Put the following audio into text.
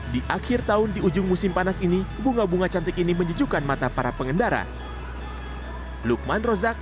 di akhir tahun di ujung musim panas ini bunga bunga cantik ini menyejukkan mata para pengendara